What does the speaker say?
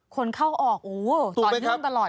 คนเข้าออกโอ้โหตอนเงื่องตลอดนะครับ